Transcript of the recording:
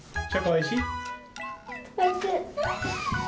おいしい！